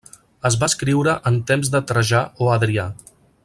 Es va escriure en temps de Trajà o Adrià.